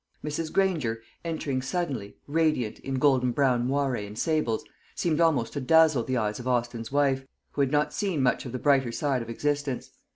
Mrs. Granger, entering suddenly, radiant in golden brown moiré and sables, seemed almost to dazzle the eyes of Austin's wife, who had not seen much of the brighter side of existence.